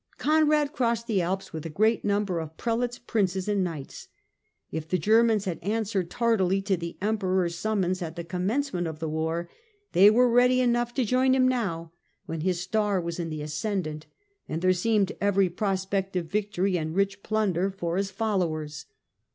Conrad crossed the Alps with a great number of Pre lates, Princes and knights. If the Germans had answered tardily to the Emperor's summons at the commencement of the war, they were ready enough to join him now, when his star was in the ascendant and there seemed every prospect of victory and rich plunder for his THE CONQUEROR 157 followers.